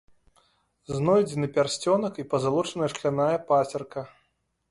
Знойдзены пярсцёнак і пазалочаная шкляная пацерка.